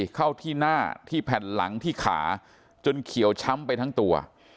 เข้าที่หน้าที่แผ่นหลังที่ขาจนเขียวช้ำไปทั้งตัว